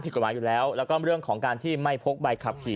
กฎหมายอยู่แล้วแล้วก็เรื่องของการที่ไม่พกใบขับขี่